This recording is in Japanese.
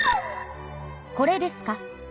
これですか？